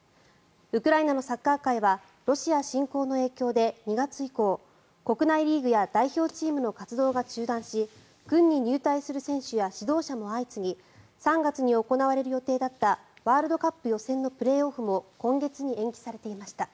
ウクライナのサッカー界はロシア侵攻の影響で２月以降、国内リーグや代表チームの活動が中断し軍に入隊する選手や指導者も相次ぎ３月に行われる予定だったワールドカップ予選のプレーオフも今月に延期されていました。